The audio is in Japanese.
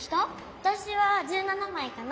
わたしは１７まいかな。